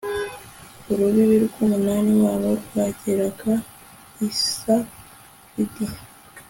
urubibi rw'umunani wabo rwageraga i saridi